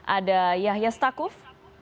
ada yahya stakuf